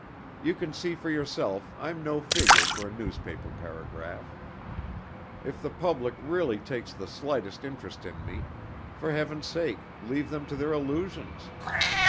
You can see for yourself I'm no figure for a newspaper paragraph. If the public really takes the slightest interest in me, for Heaven's sake leave them to their illusions.